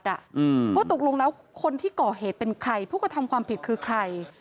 ว่าตกลงแล้วคนที่ก่อเหตุเป็นใครผู้กระทำความผิดคือใคร